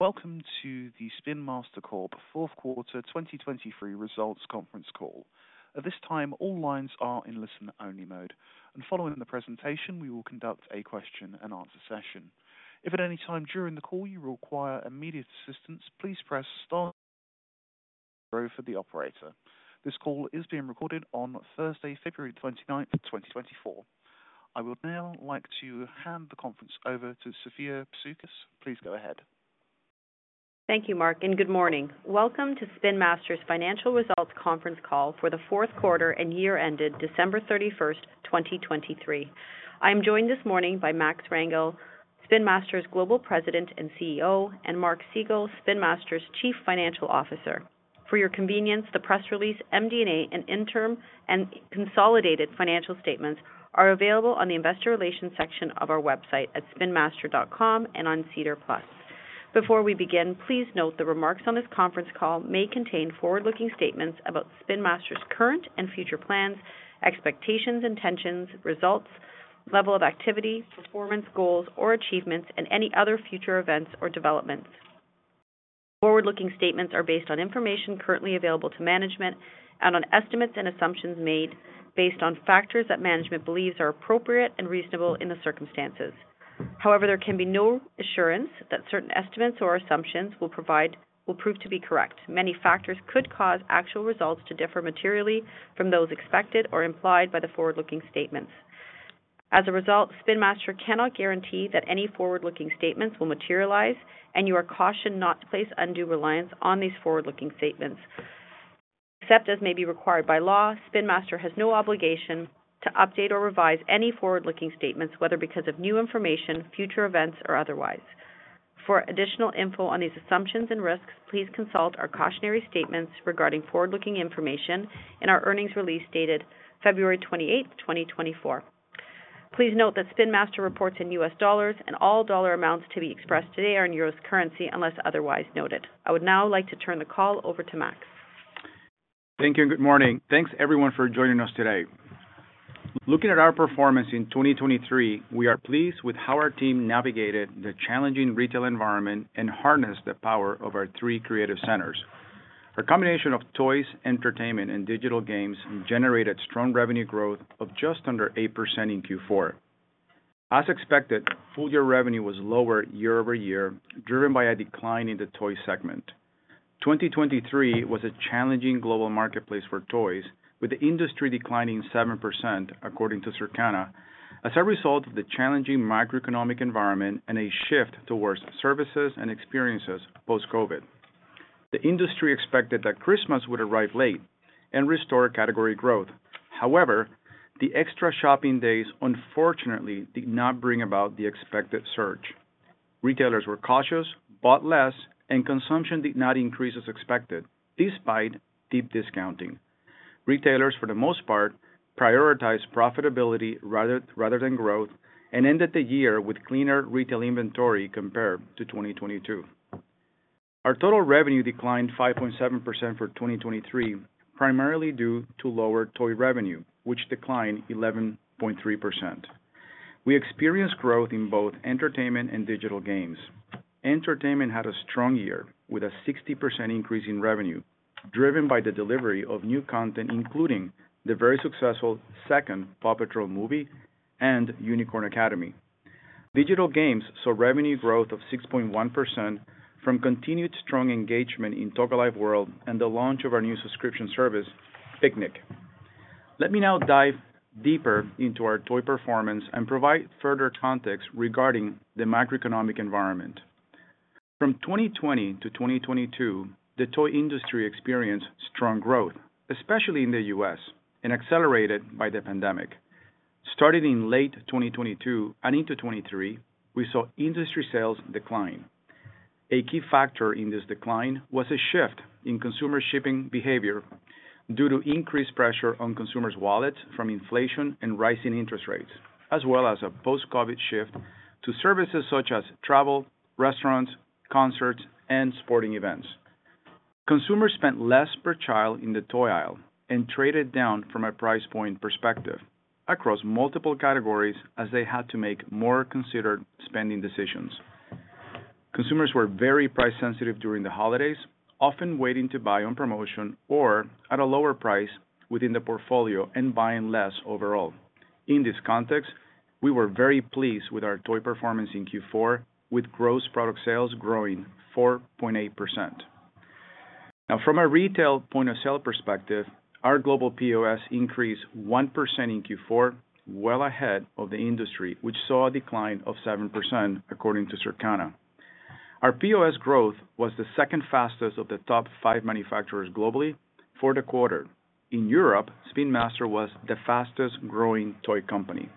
Welcome to the Spin Master Corp fourth quarter 2023 results conference call. At this time, all lines are in listen-only mode, and following the presentation, we will conduct a question-and-answer session. If at any time during the call you require immediate assistance, please press star zero for the operator. This call is being recorded on Thursday, February 29th, 2024. I would now like to hand the conference over to Sophia Bisoukis. Please go ahead. Thank you, Mark, and good morning. Welcome to Spin Master's financial results conference call for the fourth quarter and year-ended December 31st, 2023. I'm joined this morning by Max Rangel, Spin Master's Global President and CEO, and Mark Segal, Spin Master's Chief Financial Officer. For your convenience, the press release, MD&A, and interim and consolidated financial statements are available on the investor relations section of our website at spinmaster.com and on SEDAR+. Before we begin, please note the remarks on this conference call may contain forward-looking statements about Spin Master's current and future plans, expectations, intentions, results, level of activity, performance goals or achievements, and any other future events or developments. Forward-looking statements are based on information currently available to management and on estimates and assumptions made based on factors that management believes are appropriate and reasonable in the circumstances. However, there can be no assurance that certain estimates or assumptions will prove to be correct. Many factors could cause actual results to differ materially from those expected or implied by the forward-looking statements. As a result, Spin Master cannot guarantee that any forward-looking statements will materialize, and you are cautioned not to place undue reliance on these forward-looking statements. Except as may be required by law, Spin Master has no obligation to update or revise any forward-looking statements, whether because of new information, future events, or otherwise. For additional info on these assumptions and risks, please consult our cautionary statements regarding forward-looking information in our earnings release dated February 28th, 2024. Please note that Spin Master reports in U.S. dollars and all dollar amounts to be expressed today are in U.S. currency, unless otherwise noted. I would now like to turn the call over to Max. Thank you and good morning. Thanks, everyone, for joining us today. Looking at our performance in 2023, we are pleased with how our team navigated the challenging retail environment and harnessed the power of our three creative centers. A combination of Toys, Entertainment, and Digital Games generated strong revenue growth of just under 8% in Q4. As expected, full year revenue was lower year-over-year, driven by a decline in the toy segment. 2023 was a challenging global marketplace for toys, with the industry declining 7%, according to Circana, as a result of the challenging macroeconomic environment and a shift towards services and experiences post-COVID. The industry expected that Christmas would arrive late and restore category growth. However, the extra shopping days unfortunately did not bring about the expected surge. Retailers were cautious, bought less, and consumption did not increase as expected, despite deep discounting. Retailers, for the most part, prioritized profitability rather, rather than growth and ended the year with cleaner retail inventory compared to 2022. Our total revenue declined 5.7% for 2023, primarily due to lower toy revenue, which declined 11.3%. We experienced growth in both Entertainment and Digital Games. Entertainment had a strong year, with a 60% increase in revenue, driven by the delivery of new content, including the very successful second PAW Patrol Movie and Unicorn Academy. Digital Games saw revenue growth of 6.1% from continued strong engagement in Toca Life World and the launch of our new subscription service, Piknik. Let me now dive deeper into our Toy performance and provide further context regarding the macroeconomic environment. From 2020-2022, the toy industry experienced strong growth, especially in the U.S., and accelerated by the pandemic. Starting in late 2022 and into 2023, we saw industry sales decline. A key factor in this decline was a shift in consumer spending behavior due to increased pressure on consumers' wallets from inflation and rising interest rates, as well as a post-COVID shift to services such as travel, restaurants, concerts, and sporting events. Consumers spent less per child in the toy aisle and traded down from a price point perspective across multiple categories as they had to make more considered spending decisions. Consumers were very price-sensitive during the holidays, often waiting to buy on promotion or at a lower price within the portfolio and buying less overall. In this context, we were very pleased with our Toy performance in Q4, with gross product sales growing 4.8%. Now, from a retail point-of-sale perspective, our global POS increased 1% in Q4, well ahead of the industry, which saw a decline of 7%, according to Circana. Our POS growth was the second fastest of the top five manufacturers globally for the quarter. In Europe, Spin Master was the fastest-growing toy company.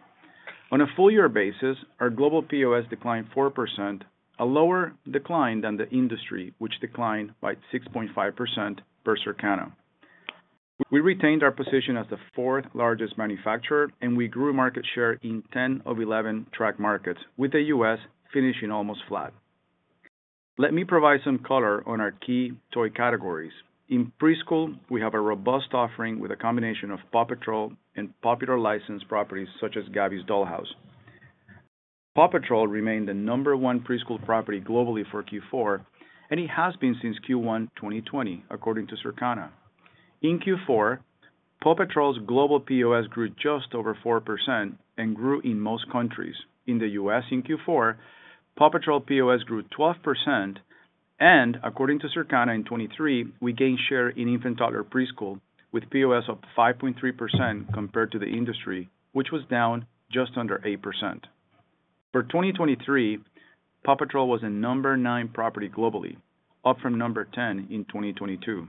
On a full year basis, our global POS declined 4%, a lower decline than the industry, which declined by 6.5% per Circana. We retained our position as the fourth largest manufacturer, and we grew market share in 10 of 11 track markets, with the U.S. finishing almost flat. Let me provide some color on our key Toy categories. In preschool, we have a robust offering with a combination of PAW Patrol and popular licensed properties such as Gabby's Dollhouse. PAW Patrol remained the number one preschool property globally for Q4, and it has been since Q1 2020, according to Circana. In Q4, PAW Patrol's global POS grew just over 4% and grew in most countries. In the U.S., in Q4, PAW Patrol POS grew 12%, and according to Circana, in 2023, we gained share in infant, toddler, preschool, with POS of 5.3% compared to the industry, which was down just under 8%. For 2023, PAW Patrol was the number nine property globally, up from number 10 in 2022.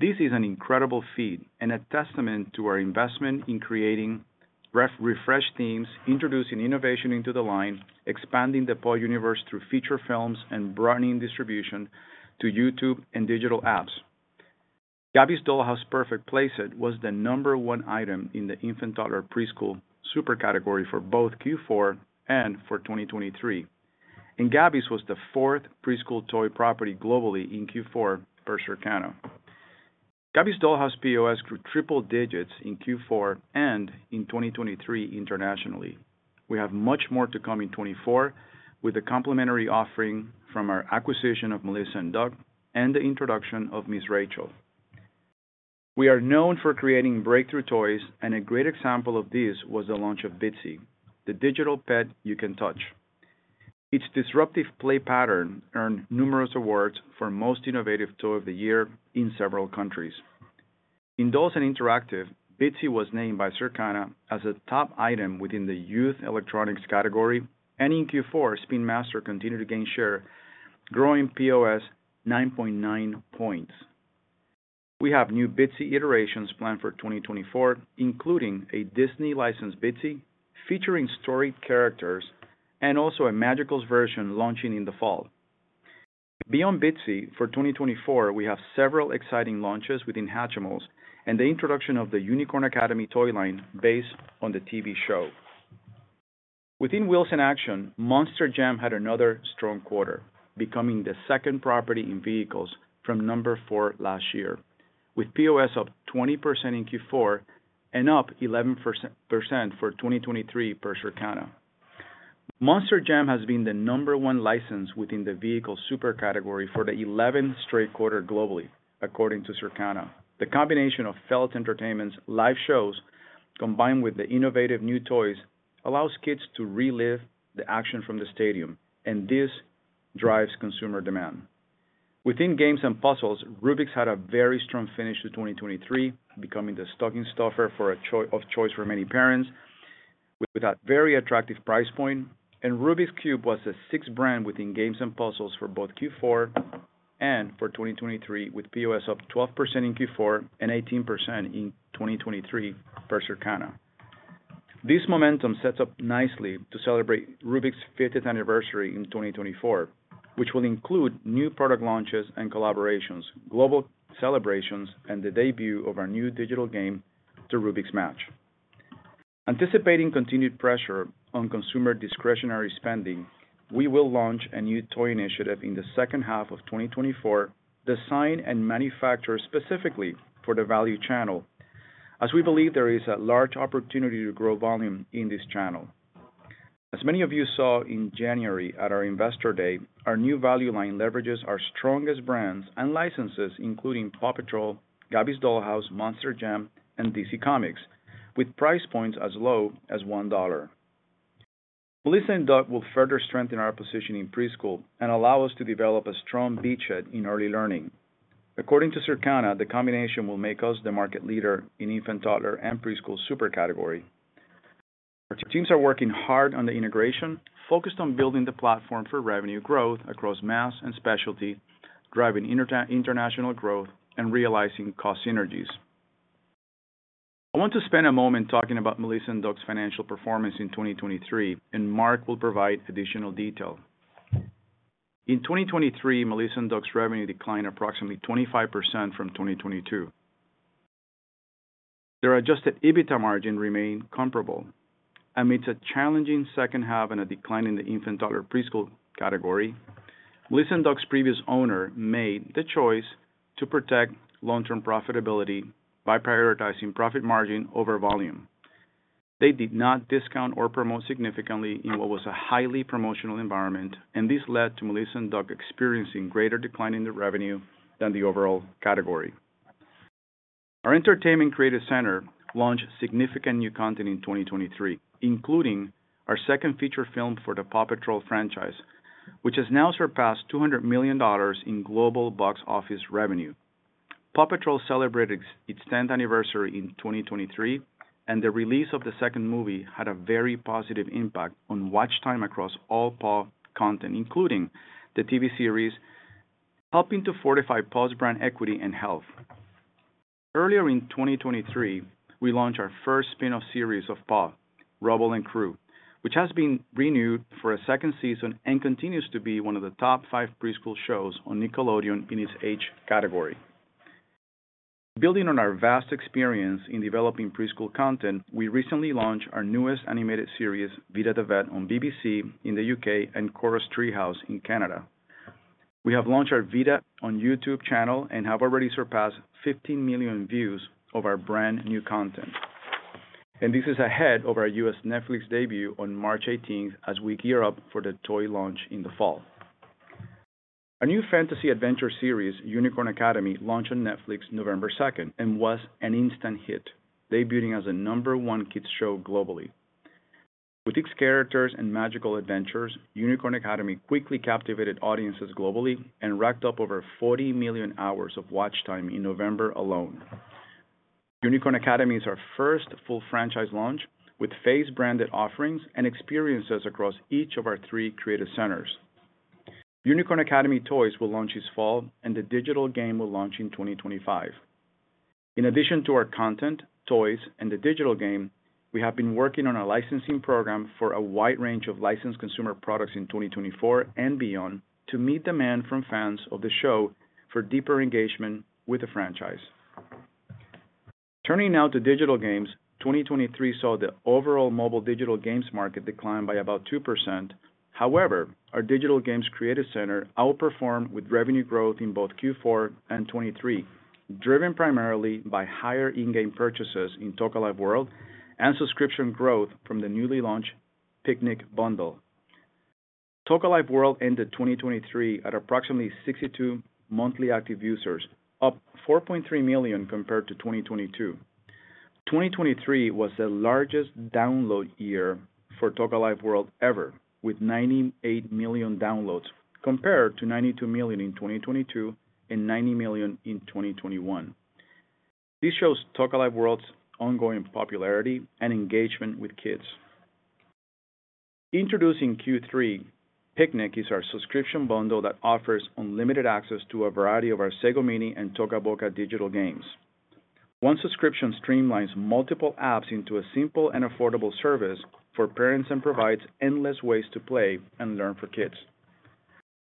This is an incredible feat and a testament to our investment in creating refreshed themes, introducing innovation into the line, expanding the PAW universe through feature films, and broadening distribution to YouTube and digital apps. Gabby's Dollhouse Purrfect Playset was the number 1 item in the infant, toddler, preschool super category for both Q4 and for 2023, and Gabby's was the 4th preschool toy property globally in Q4 per Circana. Gabby's Dollhouse POS grew triple digits in Q4 and in 2023 internationally. We have much more to come in 2024, with a complimentary offering from our acquisition of Melissa & Doug and the introduction of Ms. Rachel. We are known for creating breakthrough toys, and a great example of this was the launch of Bitzee, the digital pet you can touch. Its disruptive play pattern earned numerous awards for Most Innovative Toy of the Year in several countries. In dolls and interactive, Bitzee was named by Circana as a top item within the youth electronics category, and in Q4, Spin Master continued to gain share, growing POS 9.9 points. We have new Bitzee iterations planned for 2024, including a Disney licensed Bitzee featuring story characters and also a Magicals version launching in the fall. Beyond Bitzee, for 2024, we have several exciting launches within Hatchimals and the introduction of the Unicorn Academy toy line based on the TV show. Within Wheels & Action, Monster Jam had another strong quarter, becoming the second property in vehicles from number four last year, with POS up 20% in Q4 and up 11% for 2023 per Circana. Monster Jam has been the number one license within the vehicle super category for the 11th straight quarter globally, according to Circana. The combination of Feld Entertainment's live shows, combined with the innovative new toys, allows kids to relive the action from the stadium, and this drives consumer demand. Within games and puzzles, Rubik's had a very strong finish to 2023, becoming the stocking stuffer of choice for many parents, with a very attractive price point, and Rubik's Cube was the sixth brand within games and puzzles for both Q4 and for 2023, with POS up 12% in Q4 and 18% in 2023 per Circana. This momentum sets up nicely to celebrate Rubik's 50th anniversary in 2024, which will include new product launches and collaborations, global celebrations, and the debut of our new digital game, the Rubik's Match. Anticipating continued pressure on consumer discretionary spending, we will launch a new toy initiative in the second half of 2024, designed and manufactured specifically for the value channel, as we believe there is a large opportunity to grow volume in this channel. As many of you saw in January at our Investor Day, our new value line leverages our strongest brands and licenses, including PAW Patrol, Gabby's Dollhouse, Monster Jam, and DC Comics, with price points as low as $1. Melissa & Doug will further strengthen our position in preschool and allow us to develop a strong beachhead in early learning. According to Circana, the combination will make us the market leader in infant, toddler, and preschool super category. Our teams are working hard on the integration, focused on building the platform for revenue growth across mass and specialty, driving international growth, and realizing cost synergies. I want to spend a moment talking about Melissa & Doug's financial performance in 2023, and Mark will provide additional detail. In 2023, Melissa & Doug's revenue declined approximately 25% from 2022. Their adjusted EBITDA margin remained comparable. Amidst a challenging second half and a decline in the infant, toddler, preschool category, Melissa & Doug's previous owner made the choice to protect long-term profitability by prioritizing profit margin over volume. They did not discount or promote significantly in what was a highly promotional environment, and this led to Melissa & Doug experiencing greater decline in the revenue than the overall category. Our Entertainment creative center launched significant new content in 2023, including our second feature film for the PAW Patrol franchise, which has now surpassed $200 million in global box office revenue. PAW Patrol celebrated its 10th anniversary in 2023, and the release of the second movie had a very positive impact on watch time across all PAW content, including the TV series, helping to fortify PAW's brand equity and health. Earlier in 2023, we launched our first spin-off series of PAW, Rubble & Crew, which has been renewed for a second season and continues to be one of the top five preschool shows on Nickelodeon in its age category. Building on our vast experience in developing preschool content, we recently launched our newest animated series, Vida the Vet, on BBC in the U.K. and Corus Treehouse in Canada. We have launched our Vida on YouTube channel and have already surpassed 15 million views of our brand new content. This is ahead of our U.S. Netflix debut on March 18th, as we gear up for the toy launch in the fall. Our new fantasy adventure series, Unicorn Academy, launched on Netflix November 2nd, and was an instant hit, debuting as the number one kids show globally. With its characters and magical adventures, Unicorn Academy quickly captivated audiences globally and racked up over 40 million hours of watch time in November alone. Unicorn Academy is our first full franchise launch, with phase-branded offerings and experiences across each of our three creative centers. Unicorn Academy toys will launch this fall, and the digital game will launch in 2025. In addition to our content, toys, and the digital game, we have been working on a licensing program for a wide range of licensed consumer products in 2024 and beyond, to meet demand from fans of the show for deeper engagement with the franchise. Turning now to Digital Games, 2023 saw the overall mobile digital games market decline by about 2%. However, our Digital Games creative center outperformed with revenue growth in both Q4 and 2023, driven primarily by higher in-game purchases in Toca Life World and subscription growth from the newly launched Piknik bundle. Toca Life World ended 2023 at approximately 62 monthly active users, up 4.3 million compared to 2022. 2023 was the largest download year for Toca Life World ever, with 98 million downloads, compared to 92 million in 2022 and 90 million in 2021. This shows Toca Life World's ongoing popularity and engagement with kids. Introduced in Q3, Piknik is our subscription bundle that offers unlimited access to a variety of our Sago Mini and Toca Boca digital games. One subscription streamlines multiple apps into a simple and affordable service for parents, and provides endless ways to play and learn for kids.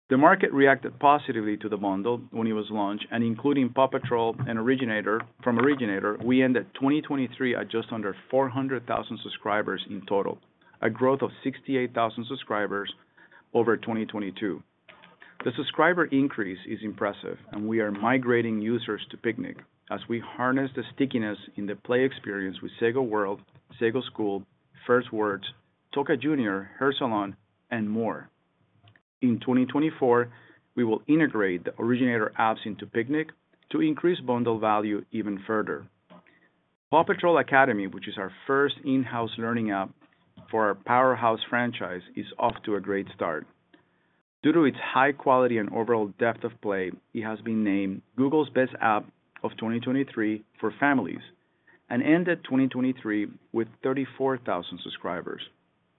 The market reacted positively to the bundle when it was launched, and including PAW Patrol and Originator—from Originator, we ended 2023 at just under 400,000 subscribers in total, a growth of 68,000 subscribers over 2022. The subscriber increase is impressive, and we are migrating users to Piknik as we harness the stickiness in the play experience with Sago World, Sago School, First Words, Toca Junior, Hair Salon, and more. In 2024, we will integrate the Originator apps into Piknik to increase bundle value even further. PAW Patrol Academy, which is our first in-house learning app for our powerhouse franchise, is off to a great start. Due to its high quality and overall depth of play, it has been named Google's Best App of 2023 for families, and ended 2023 with 34,000 subscribers.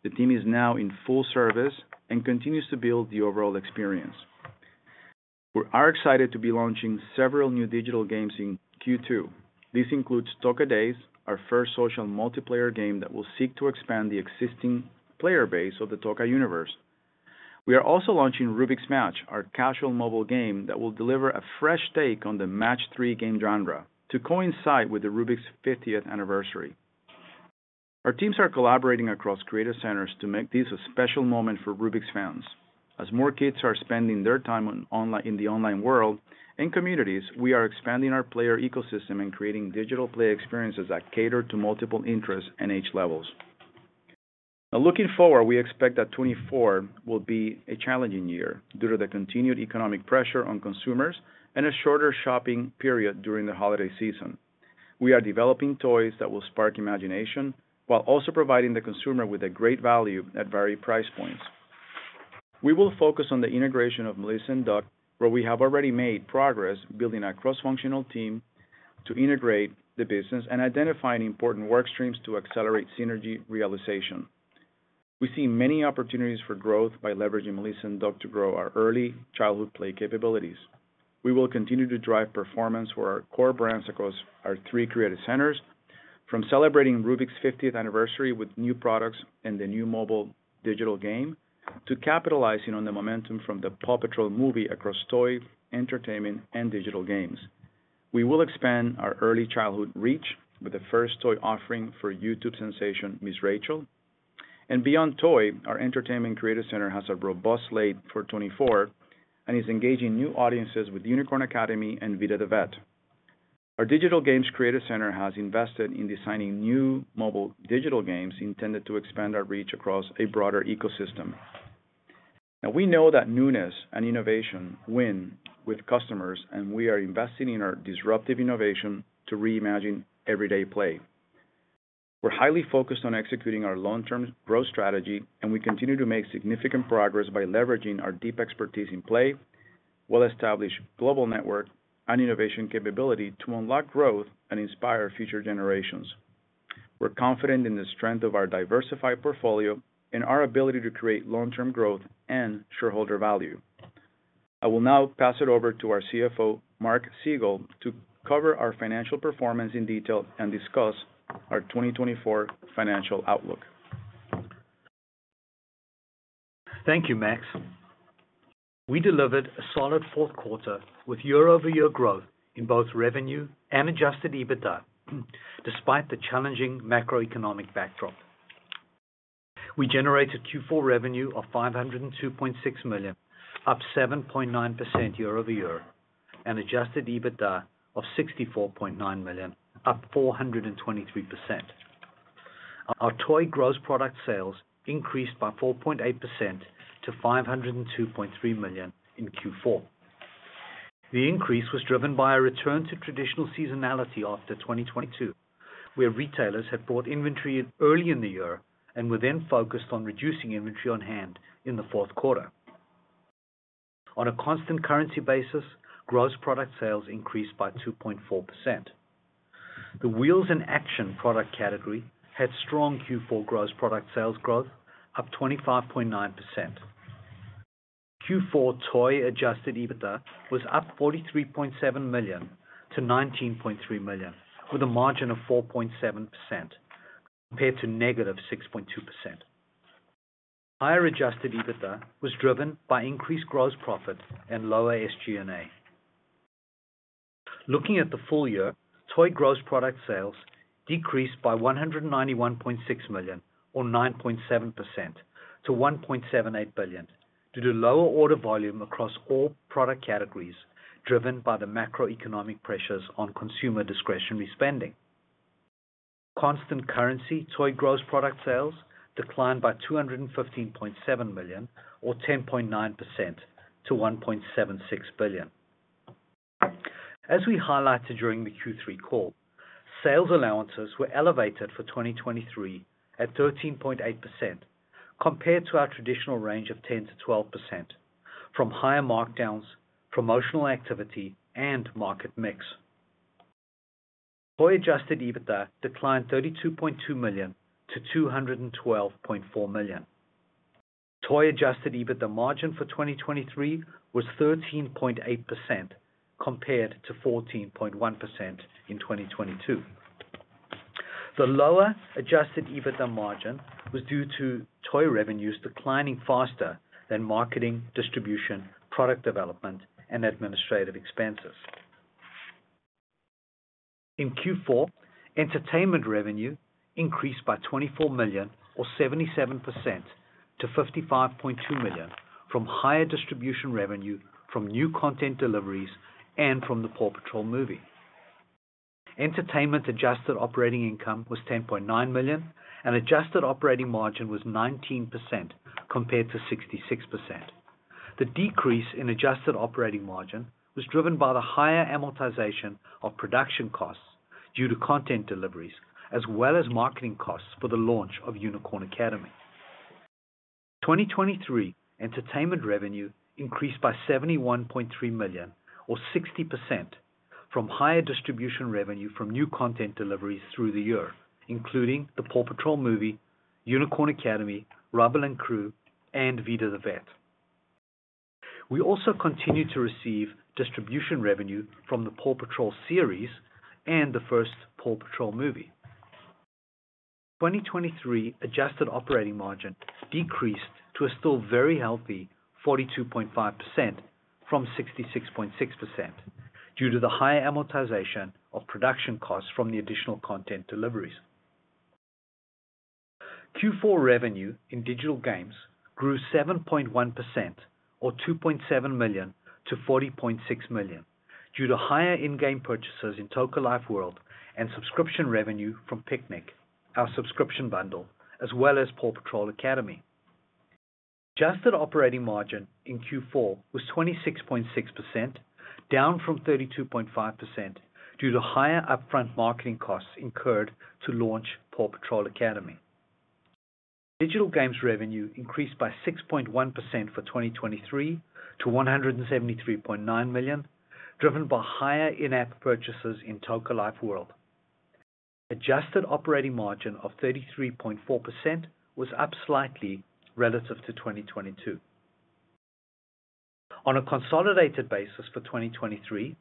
The team is now in full service and continues to build the overall experience. We are excited to be launching several new digital games in Q2. This includes Toca Days, our first social multiplayer game that will seek to expand the existing player base of the Toca Universe. We are also launching Rubik's Match, our casual mobile game that will deliver a fresh take on the match-three game genre, to coincide with the Rubik's 50th anniversary. Our teams are collaborating across creative centers to make this a special moment for Rubik's fans. As more kids are spending their time in the online world and communities, we are expanding our player ecosystem and creating digital play experiences that cater to multiple interests and age levels. Now, looking forward, we expect that 2024 will be a challenging year due to the continued economic pressure on consumers and a shorter shopping period during the holiday season. We are developing toys that will spark imagination while also providing the consumer with a great value at varied price points. We will focus on the integration of Melissa & Doug, where we have already made progress building a cross-functional team to integrate the business and identifying important work streams to accelerate synergy realization. We see many opportunities for growth by leveraging Melissa & Doug to grow our early childhood play capabilities. We will continue to drive performance for our core brands across our three creative centers, from celebrating Rubik's 50th anniversary with new products and the new mobile digital game, to capitalizing on the momentum from the PAW Patrol movie across Toy, Entertainment, and Digital Games. We will expand our early childhood reach with the first toy offering for YouTube sensation, Ms. Rachel. And beyond Toy, our Entertainment creative center has a robust slate for 2024, and is engaging new audiences with Unicorn Academy and Vida the Vet. Our Digital Games creative center has invested in designing new mobile digital games intended to expand our reach across a broader ecosystem. Now, we know that newness and innovation win with customers, and we are investing in our disruptive innovation to reimagine everyday play. We're highly focused on executing our long-term growth strategy, and we continue to make significant progress by leveraging our deep expertise in play, well-established global network, and innovation capability to unlock growth and inspire future generations. We're confident in the strength of our diversified portfolio and our ability to create long-term growth and shareholder value. I will now pass it over to our CFO, Mark Segal, to cover our financial performance in detail and discuss our 2024 financial outlook.. Thank you, Max. We delivered a solid fourth quarter with year-over-year growth in both revenue and adjusted EBITDA, despite the challenging macroeconomic backdrop. We generated Q4 revenue of $502.6 million, up 7.9% year-over-year, and adjusted EBITDA of $64.9 million, up 423%. Our Toy gross product sales increased by 4.8% to $502.3 million in Q4. The increase was driven by a return to traditional seasonality after 2022, where retailers had bought inventory early in the year and were then focused on reducing inventory on hand in the fourth quarter. On a constant currency basis, gross product sales increased by 2.4%. The Wheels & Action product category had strong Q4 gross product sales growth, up 25.9%. Q4 Toy adjusted EBITDA was up $43.7 million to $19.3 million, with a margin of 4.7% compared to -6.2%. Higher adjusted EBITDA was driven by increased gross profit and lower SG&A. Looking at the full year, Toy gross product sales decreased by $191.6 million, or 9.7%, to $1.78 billion, due to lower order volume across all product categories, driven by the macroeconomic pressures on consumer discretionary spending. Constant currency, Toy gross product sales declined by $215.7 million, or 10.9%, to $1.76 billion. As we highlighted during the Q3 call, sales allowances were elevated for 2023 at 13.8% compared to our traditional range of 10%-12% from higher markdowns, promotional activity, and market mix. Toy adjusted EBITDA declined $32.2 million to $212.4 million. Toy adjusted EBITDA margin for 2023 was 13.8%, compared to 14.1% in 2022. The lower adjusted EBITDA margin was due to Toy revenues declining faster than marketing, distribution, product development, and administrative expenses. In Q4, Entertainment revenue increased by $24 million or 77% to $55.2 million, from higher distribution revenue from new content deliveries and from the PAW Patrol movie. Entertainment adjusted operating income was $10.9 million, and adjusted operating margin was 19%, compared to 66%. The decrease in adjusted operating margin was driven by the higher amortization of production costs due to content deliveries, as well as marketing costs for the launch of Unicorn Academy. 2023 Entertainment revenue increased by $71.3 million, or 60%, from higher distribution revenue from new content deliveries through the year, including the PAW Patrol movie, Unicorn Academy, Rubble & Crew, and Vida the Vet. We also continued to receive distribution revenue from the PAW Patrol series and the first PAW Patrol movie. 2023 adjusted operating margin decreased to a still very healthy 42.5% from 66.6%, due to the higher amortization of production costs from the additional content deliveries. Q4 revenue in Digital Games grew 7.1% or $2.7 million to $40.6 million, due to higher in-game purchases in Toca Life World and subscription revenue from Piknik, our subscription bundle, as well as PAW Patrol Academy. Adjusted operating margin in Q4 was 26.6%, down from 32.5%, due to higher upfront marketing costs incurred to launch PAW Patrol Academy. Digital Games revenue increased by 6.1% for 2023 to $173.9 million, driven by higher in-app purchases in Toca Life World. Adjusted operating margin of 33.4% was up slightly relative to 2022. On a consolidated basis for 2023,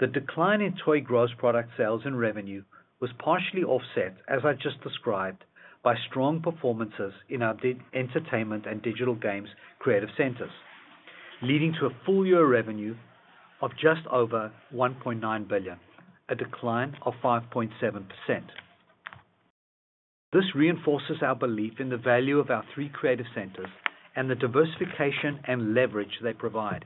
the decline in Toy gross product sales and revenue was partially offset, as I just described, by strong performances in our Entertainment and Digital Games creative centers, leading to a full year revenue of just over $1.9 billion, a decline of 5.7%. This reinforces our belief in the value of our three creative centers and the diversification and leverage they provide.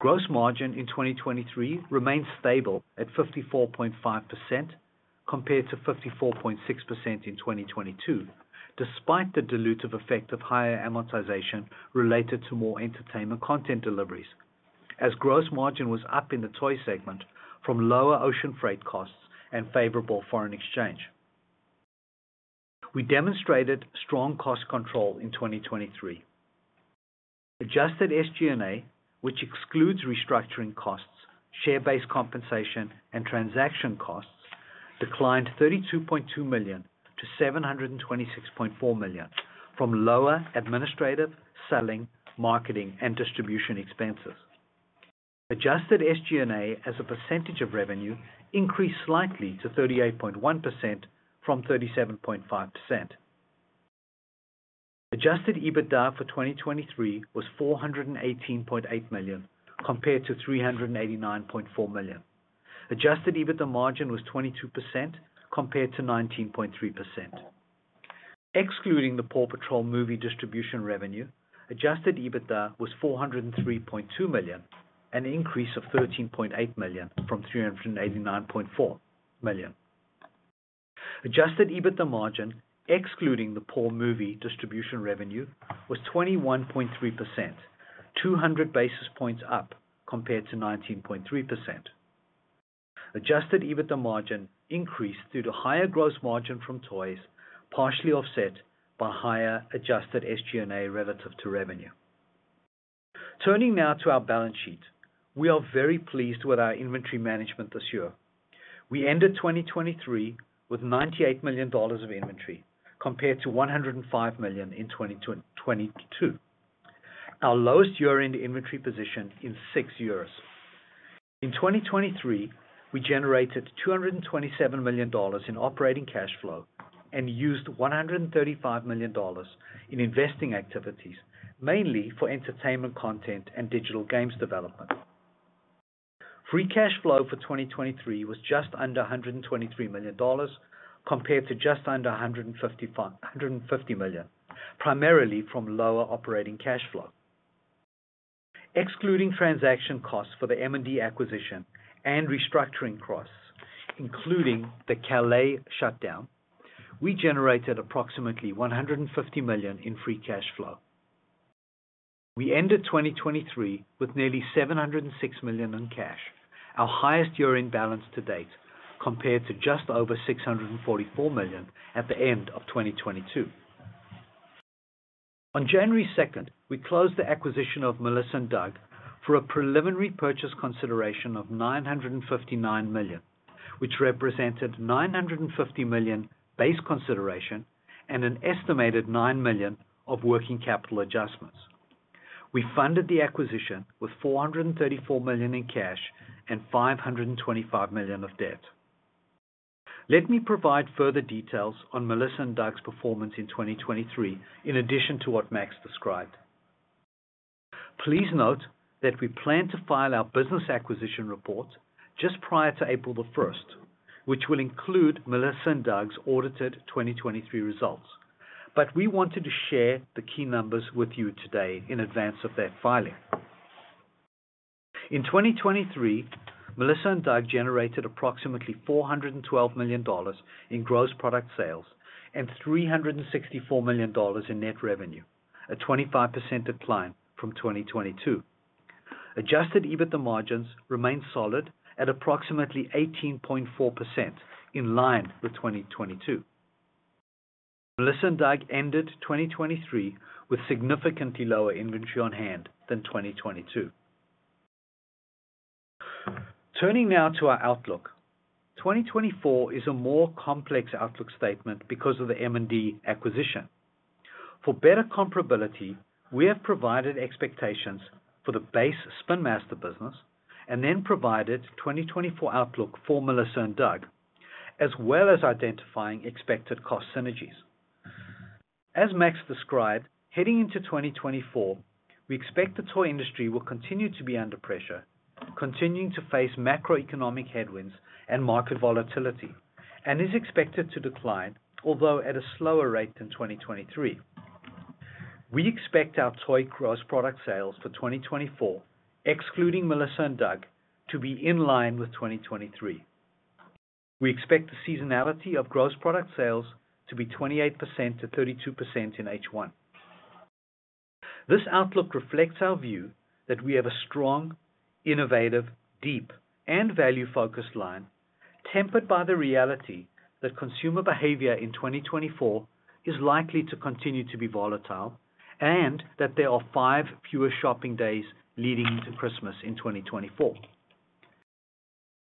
Gross margin in 2023 remained stable at 54.5% compared to 54.6% in 2022, despite the dilutive effect of higher amortization related to more Entertainment content deliveries, as gross margin was up in the Toy segment from lower ocean freight costs and favorable foreign exchange. We demonstrated strong cost control in 2023. Adjusted SG&A, which excludes restructuring costs, share-based compensation, and transaction costs, declined $32.2 million to $726.4 million from lower administrative, selling, marketing, and distribution expenses. Adjusted SG&A as a percentage of revenue increased slightly to 38.1% from 37.5%. Adjusted EBITDA for 2023 was $418.8 million, compared to $389.4 million. Adjusted EBITDA margin was 22%, compared to 19.3%. Excluding the PAW Patrol movie distribution revenue, adjusted EBITDA was $403.2 million, an increase of $13.8 million from $389.4 million. Adjusted EBITDA margin, excluding the PAW movie distribution revenue, was 21.3%, 200 basis points up compared to 19.3%. Adjusted EBITDA margin increased due to higher gross margin from Toys, partially offset by higher adjusted SG&A relative to revenue. Turning now to our balance sheet. We are very pleased with our inventory management this year. We ended 2023 with $98 million of inventory, compared to $105 million in 2022, our lowest year-end inventory position in six years. In 2023, we generated $227 million in operating cash flow and used $135 million in investing activities, mainly for Entertainment content and Digital Games development. Free cash flow for 2023 was just under $123 million, compared to just under $155 million, primarily from lower operating cash flow. Excluding transaction costs for the M&D acquisition and restructuring costs, including the Calais shutdown, we generated approximately $150 million in free cash flow. We ended 2023 with nearly $706 million in cash, our highest year-end balance to date, compared to just over $644 million at the end of 2022. On January 2nd, we closed the acquisition of Melissa & Doug for a preliminary purchase consideration of $959 million, which represented $950 million base consideration and an estimated $9 million of working capital adjustments. We funded the acquisition with $434 million in cash and $525 million of debt. Let me provide further details on Melissa & Doug's performance in 2023, in addition to what Max described. Please note that we plan to file our business acquisition report just prior to April the 1st, which will include Melissa & Doug's audited 2023 results. We wanted to share the key numbers with you today in advance of that filing. In 2023, Melissa & Doug generated approximately $412 million in gross product sales and $364 million in net revenue, a 25% decline from 2022. Adjusted EBITDA margins remained solid at approximately 18.4%, in line with 2022. Melissa & Doug ended 2023 with significantly lower inventory on hand than 2022. Turning now to our outlook. 2024 is a more complex outlook statement because of the M&D acquisition. For better comparability, we have provided expectations for the base Spin Master business and then provided 2024 outlook for Melissa & Doug, as well as identifying expected cost synergies. As Max described, heading into 2024, we expect the toy industry will continue to be under pressure, continuing to face macroeconomic headwinds and market volatility, and is expected to decline, although at a slower rate than 2023. We expect our toy gross product sales for 2024, excluding Melissa & Doug, to be in line with 2023. We expect the seasonality of gross product sales to be 28%-32% in H1. This outlook reflects our view that we have a strong, innovative, deep, and value-focused line, tempered by the reality that consumer behavior in 2024 is likely to continue to be volatile, and that there are five fewer shopping days leading to Christmas in 2024.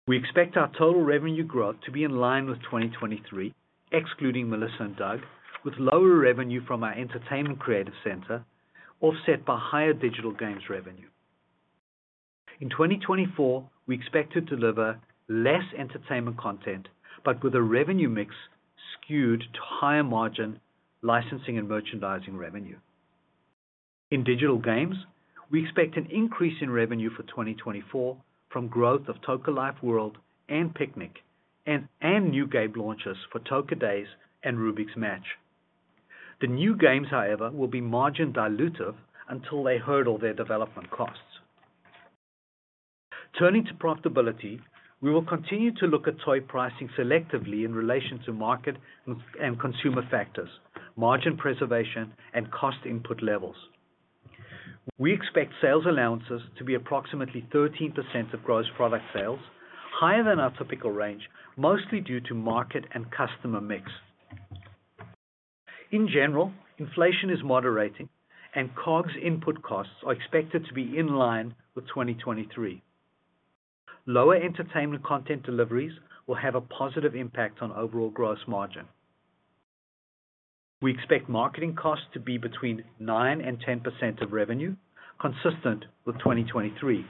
We expect our total revenue growth to be in line with 2023, excluding Melissa & Doug, with lower revenue from our Entertainment creative center, offset by higher Digital Games revenue. In 2024, we expect to deliver less Entertainment content, but with a revenue mix skewed to higher margin licensing and merchandising revenue. In Digital Games, we expect an increase in revenue for 2024 from growth of Toca Life World and Piknik, and new game launches for Toca Days and Rubik's Match. The new games, however, will be margin dilutive until they hurdle their development costs. Turning to profitability, we will continue to look at toy pricing selectively in relation to market and consumer factors, margin preservation, and cost input levels. We expect sales allowances to be approximately 13% of gross product sales, higher than our typical range, mostly due to market and customer mix. In general, inflation is moderating and COGS input costs are expected to be in line with 2023. Lower Entertainment content deliveries will have a positive impact on overall gross margin. We expect marketing costs to be between 9% and 10% of revenue, consistent with 2023.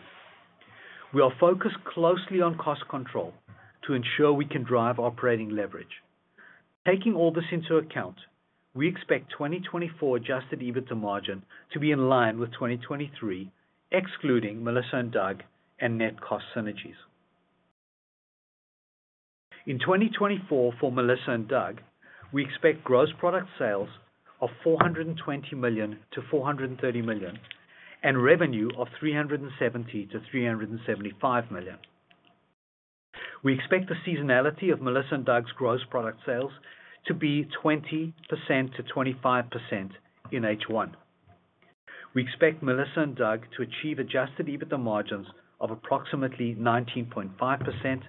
We are focused closely on cost control to ensure we can drive operating leverage. Taking all this into account, we expect 2024 adjusted EBITDA margin to be in line with 2023, excluding Melissa & Doug and net cost synergies. In 2024 for Melissa & Doug, we expect gross product sales of $420 million-$430 million, and revenue of $370 million-$375 million. We expect the seasonality of Melissa & Doug's gross product sales to be 20%-25% in H1. We expect Melissa & Doug to achieve adjusted EBITDA margins of approximately 19.5%,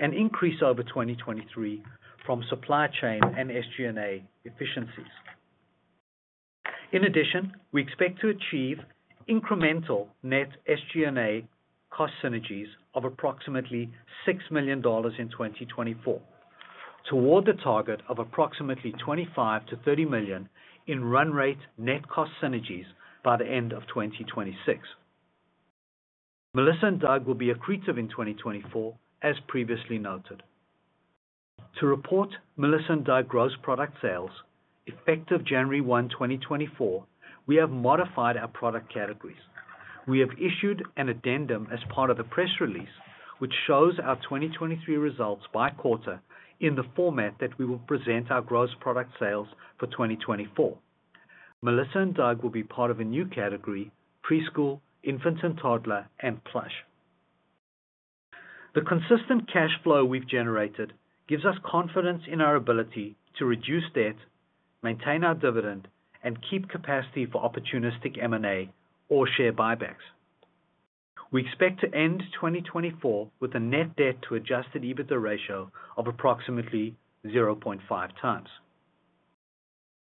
an increase over 2023 from supply chain and SG&A efficiencies. In addition, we expect to achieve incremental net SG&A cost synergies of approximately $6 million in 2024, toward the target of approximately $25 million-$30 million in run rate net cost synergies by the end of 2026. Melissa & Doug will be accretive in 2024, as previously noted. To report Melissa & Doug gross product sales, effective January 1, 2024, we have modified our product categories. We have issued an addendum as part of the press release, which shows our 2023 results by quarter in the format that we will present our gross product sales for 2024. Melissa & Doug will be part of a new category: preschool, infants and toddler, and plush. The consistent cash flow we've generated gives us confidence in our ability to reduce debt, maintain our dividend, and keep capacity for opportunistic M&A or share buybacks. We expect to end 2024 with a net debt to adjusted EBITDA ratio of approximately 0.5x.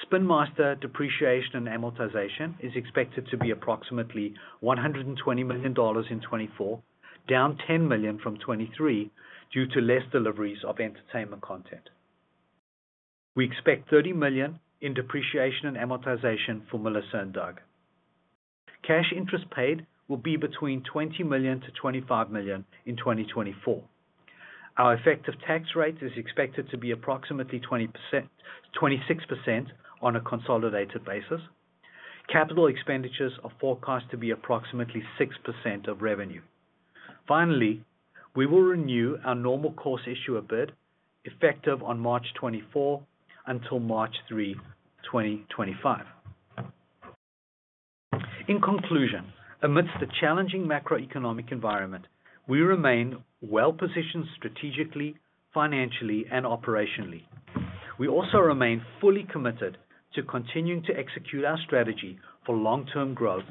Spin Master depreciation and amortization is expected to be approximately $120 million in 2024, down $10 million from 2023 due to less deliveries of Entertainment content. We expect $30 million in depreciation and amortization for Melissa & Doug. Cash interest paid will be between $20 million-$25 million in 2024. Our effective tax rate is expected to be approximately 26% on a consolidated basis. Capital expenditures are forecast to be approximately 6% of revenue. Finally, we will renew our normal course issuer bid, effective on March 24, 2024 until March 3, 2025. In conclusion, amidst the challenging macroeconomic environment, we remain well positioned strategically, financially, and operationally. We also remain fully committed to continuing to execute our strategy for long-term growth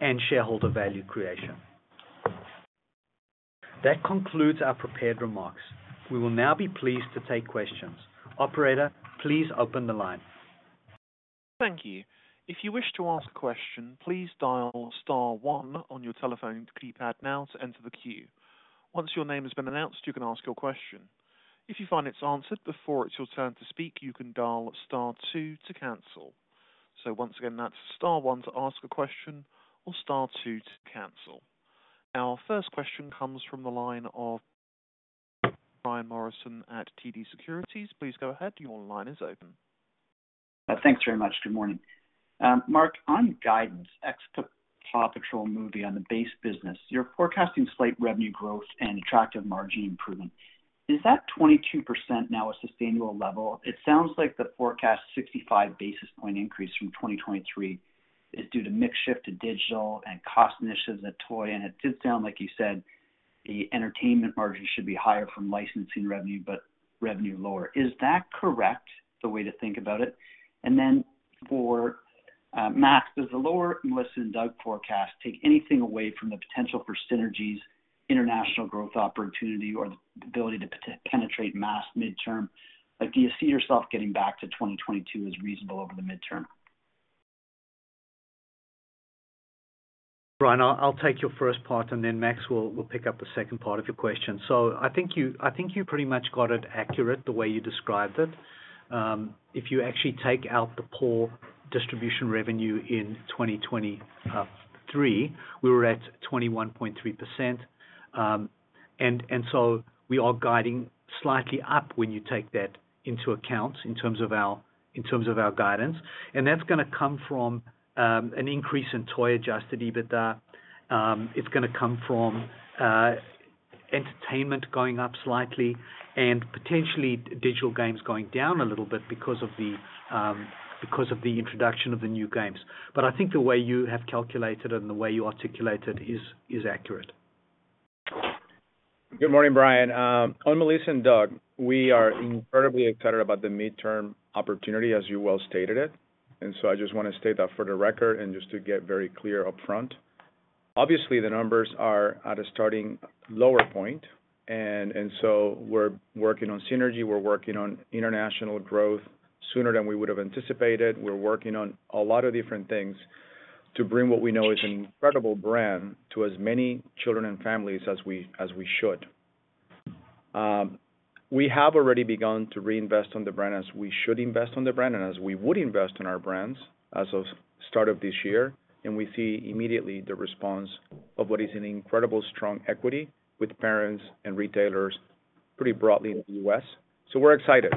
and shareholder value creation. That concludes our prepared remarks. We will now be pleased to take questions. Operator, please open the line. Thank you. If you wish to ask a question, please dial star one on your telephone keypad now to enter the queue. Once your name has been announced, you can ask your question. If you find it's answered before it's your turn to speak, you can dial star two to cancel. So once again, that's star one to ask a question or star two to cancel. Our first question comes from the line of Brian Morrison at TD Securities. Please go ahead. Your line is open. Thanks very much. Good morning. Mark, on guidance, ex the PAW Patrol movie on the base business, you're forecasting slight revenue growth and attractive margin improvement. Is that 22% now a sustainable level? It sounds like the forecast 65 basis point increase from 2023 is due to mix shift to digital and cost initiatives at Toy, and it did sound like you said the Entertainment margin should be higher from licensing revenue, but revenue lower. Is that correct, the way to think about it? And then for Max, does the lower Melissa & Doug forecast take anything away from the potential for synergies, international growth opportunity, or the ability to penetrate mass midterm? Like, do you see yourself getting back to 2022 as reasonable over the midterm? Brian, I'll take your first part, and then Max will pick up the second part of your question. So I think you pretty much got it accurate the way you described it. If you actually take out the poor distribution revenue in 2023, we were at 21.3%. And so we are guiding slightly up when you take that into account in terms of our guidance. And that's gonna come from an increase in Toy adjusted EBITDA. It's gonna come from Entertainment going up slightly and potentially Digital Games going down a little bit because of the introduction of the new games. But I think the way you have calculated and the way you articulated is accurate. Good morning, Brian. On Melissa & Doug, we are incredibly excited about the midterm opportunity, as you well stated it, and so I just want to state that for the record and just to get very clear upfront. Obviously, the numbers are at a starting lower point, and so we're working on synergy, we're working on international growth sooner than we would have anticipated. We're working on a lot of different things to bring what we know is an incredible brand to as many children and families as we should. We have already begun to reinvest on the brand, as we should invest on the brand and as we would invest in our brands as of start of this year, and we see immediately the response of what is an incredible, strong equity with parents and retailers pretty broadly in the U.S. So we're excited.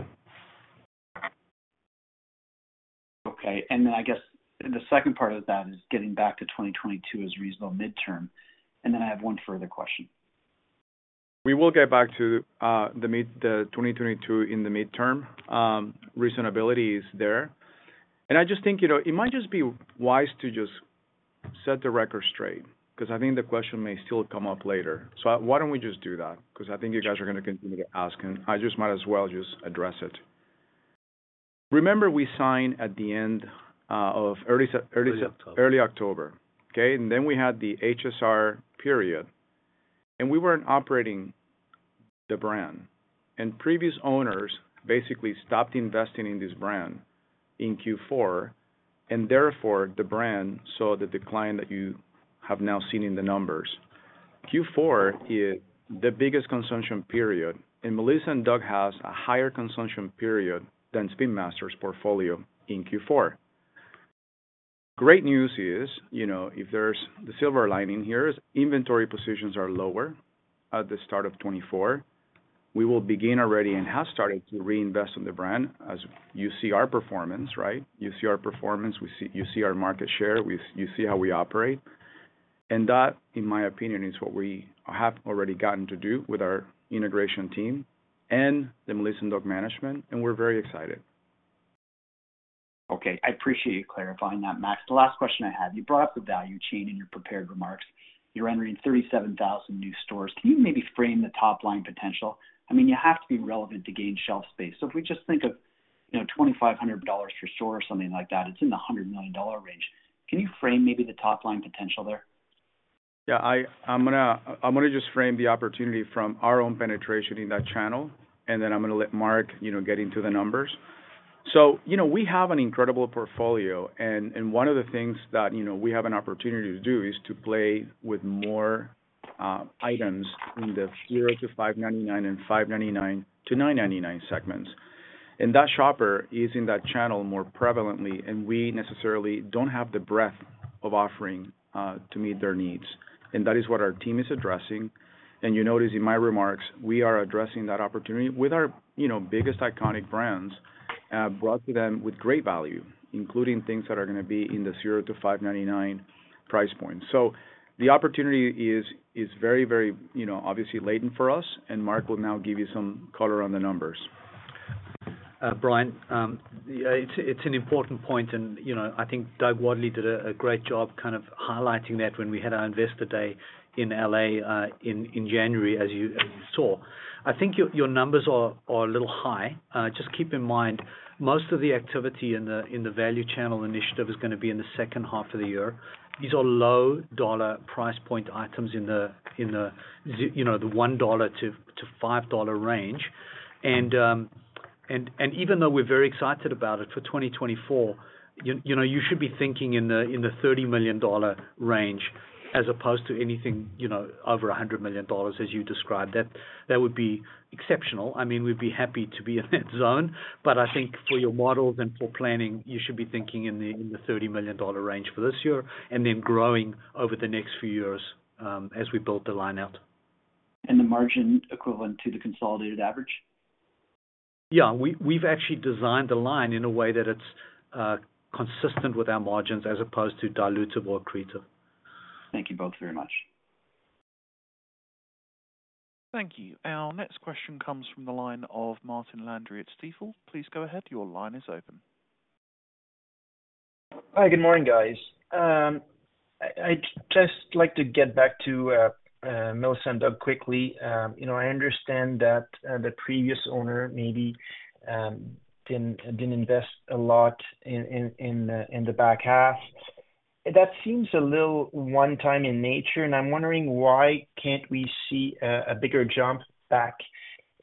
Okay. And then I guess, and the second part of that is getting back to 2022 as reasonable midterm. And then I have one further question. We will get back to the mid, the 2022 in the midterm. Reasonability is there. And I just think, you know, it might just be wise to just set the record straight, 'cause I think the question may still come up later. So why, why don't we just do that? 'Cause I think you guys are gonna continue to ask, and I just might as well just address it. Remember, we signed at the end of early Sep- early Sep- Early October. Early October, okay? And then we had the HSR period, and we weren't operating the brand. And previous owners basically stopped investing in this brand in Q4, and therefore, the brand saw the decline that you have now seen in the numbers. Q4 is the biggest consumption period, and Melissa & Doug has a higher consumption period than Spin Master's portfolio in Q4. Great news is, you know, if there's... the silver lining here is inventory positions are lower at the start of 2024. We will begin already and have started to reinvest in the brand, as you see our performance, right? You see our performance, we see- you see our market share, we- you see how we operate. And that, in my opinion, is what we have already gotten to do with our integration team and the Melissa & Doug management, and we're very excited. Okay, I appreciate you clarifying that, Max. The last question I had, you brought up the value chain in your prepared remarks. You're entering 37,000 new stores. Can you maybe frame the top-line potential? I mean, you have to be relevant to gain shelf space. So if we just think of, you know, $2,500 per store or something like that, it's in the $100 million range. Can you frame maybe the top-line potential there? Yeah, I'm gonna just frame the opportunity from our own penetration in that channel, and then I'm gonna let Mark, you know, get into the numbers. So, you know, we have an incredible portfolio, and, and one of the things that, you know, we have an opportunity to do, is to play with more items in the $0-$5.99 and $5.99-$9.99 segments. And that shopper is in that channel more prevalently, and we necessarily don't have the breadth of offering to meet their needs, and that is what our team is addressing. And you notice in my remarks, we are addressing that opportunity with our, you know, biggest iconic brands, brought to them with great value, including things that are gonna be in the $0-$5.99 price point. The opportunity is very, very, you know, obviously latent for us, and Mark will now give you some color on the numbers. Brian, yeah, it's an important point, and, you know, I think Doug Wadleigh did a great job kind of highlighting that when we had our Investor Day in L.A. in January, as you saw. I think your numbers are a little high. Just keep in mind, most of the activity in the value channel initiative is gonna be in the second half of the year. These are low dollar price point items in the you know, the $1-$5 range. And even though we're very excited about it, for 2024, you know, you should be thinking in the $30 million range as opposed to anything, you know, over $100 million, as you described. That would be exceptional. I mean, we'd be happy to be in that zone, but I think for your models and for planning, you should be thinking in the $30 million range for this year, and then growing over the next few years, as we build the line out. The margin equivalent to the consolidated average? Yeah. We've actually designed the line in a way that it's consistent with our margins as opposed to dilutive or accretive. Thank you both very much. Thank you. Our next question comes from the line of Martin Landry at Stifel. Please go ahead. Your line is open. Hi, good morning, guys. I'd just like to get back to Melissa & Doug quickly. You know, I understand that the previous owner maybe didn't invest a lot in the back half. That seems a little one time in nature, and I'm wondering why can't we see a bigger jump back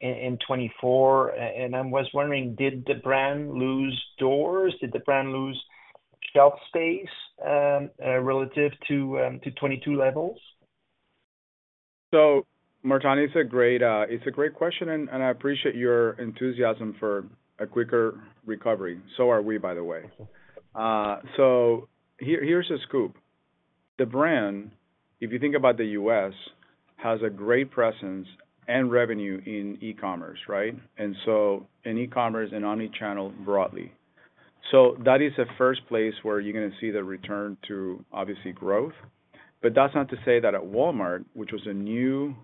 in 2024? And I was wondering, did the brand lose doors? Did the brand lose shelf space relative to 2022 levels? So Martin, it's a great, it's a great question, and, and I appreciate your enthusiasm for a quicker recovery. So are we, by the way. So here, here's the scoop. The brand, if you think about the U.S., has a great presence and revenue in e-commerce, right? And so in e-commerce and omni-channel broadly. So that is the first place where you're gonna see the return to, obviously, growth. But that's not to say that at Walmart, which was a new,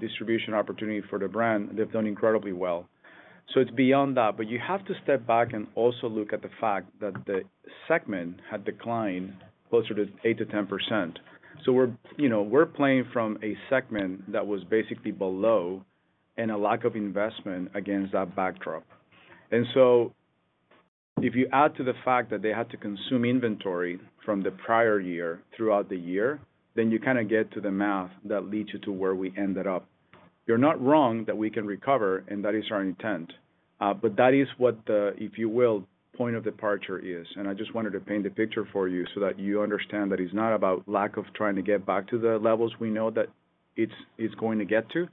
distribution opportunity for the brand, they've done incredibly well. So it's beyond that. But you have to step back and also look at the fact that the segment had declined closer to 8%-10%. So we're, you know, we're playing from a segment that was basically below and a lack of investment against that backdrop. And so if you add to the fact that they had to consume inventory from the prior year throughout the year, then you kind of get to the math that leads you to where we ended up. You're not wrong, that we can recover, and that is our intent. But that is what the, if you will, point of departure is. And I just wanted to paint the picture for you so that you understand that it's not about lack of trying to get back to the levels we know that it's, it's going to get to,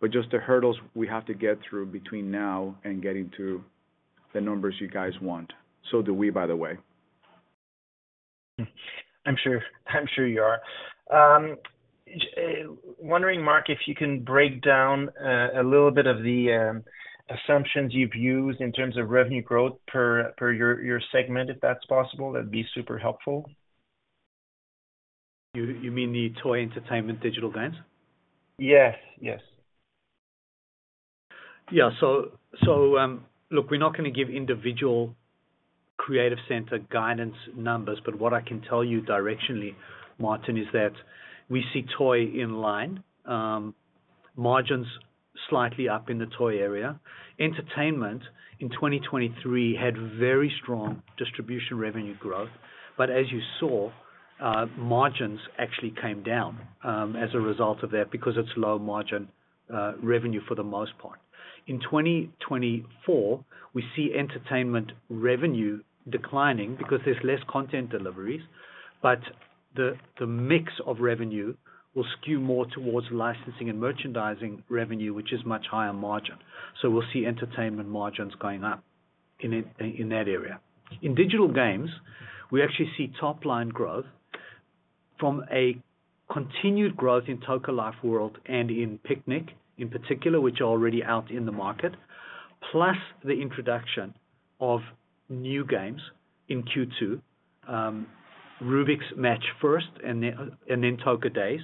but just the hurdles we have to get through between now and getting to the numbers you guys want. So do we, by the way. I'm sure, I'm sure you are wondering, Mark, if you can break down a little bit of the assumptions you've used in terms of revenue growth per your segment, if that's possible. That'd be super helpful. You mean the Toy, Entertainment, Digital Games? Yes. Yes. Yeah. Look, we're not gonna give individual creative center guidance numbers, but what I can tell you directionally, Martin, is that we see Toy in line margins slightly up in the Toy area. Entertainment, in 2023 had very strong distribution revenue growth, but as you saw, margins actually came down as a result of that, because it's low margin revenue for the most part. In 2024, we see Entertainment revenue declining because there's less content deliveries, but the mix of revenue will skew more towards licensing and merchandising revenue, which is much higher margin. So we'll see Entertainment margins going up in that area. In Digital Games, we actually see top line growth from a continued growth in Toca Life World and in Piknik, in particular, which are already out in the market, plus the introduction of new games in Q2. Rubik's Match first and then Toca Days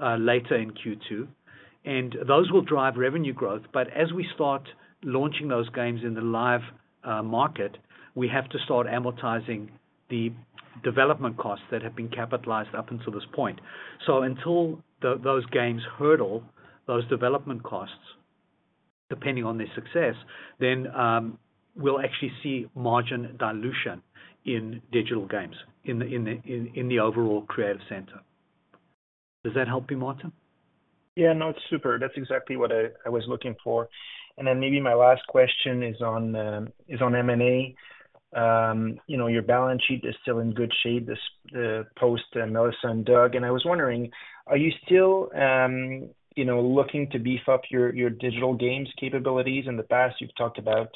later in Q2. And those will drive revenue growth, but as we start launching those games in the live market, we have to start amortizing the development costs that have been capitalized up until this point. So until those games hurdle those development costs, depending on their success, then we'll actually see margin dilution in Digital Games in the overall creative center. Does that help you, Martin? Yeah. No, it's super. That's exactly what I, I was looking for. And then maybe my last question is on, is on M&A. You know, your balance sheet is still in good shape, this, post Melissa & Doug, and I was wondering, are you still, you know, looking to beef up your, your Digital Games capabilities? In the past, you've talked about,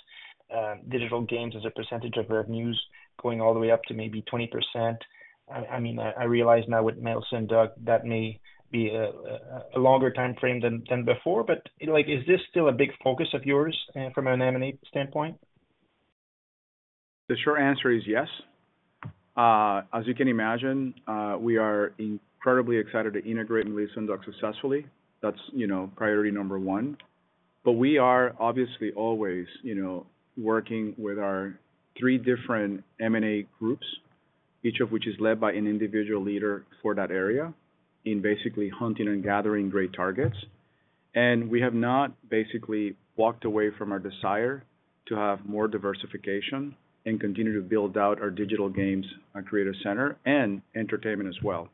Digital Games as a percentage of revenues, going all the way up to maybe 20%. I, I mean, I, I realize now with Melissa & Doug, that may be a, a, a longer timeframe than, than before, but, like, is this still a big focus of yours, from an M&A standpoint? The short answer is yes. As you can imagine, we are incredibly excited to integrate Melissa & Doug successfully. That's, you know, priority number one. But we are obviously always, you know, working with our three different M&A groups, each of which is led by an individual leader for that area, in basically hunting and gathering great targets. And we have not basically walked away from our desire to have more diversification and continue to build out our Digital Games, our creative center and Entertainment as well.